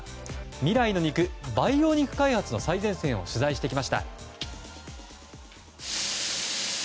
未来の肉、培養肉開発の最前線を取材してきました。